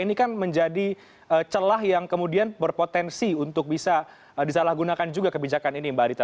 ini kan menjadi celah yang kemudian berpotensi untuk bisa disalahgunakan juga kebijakan ini mbak adita